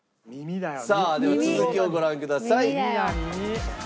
さあでは続きをご覧ください。